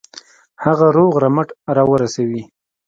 هغه روغ رمټ را ورسوي.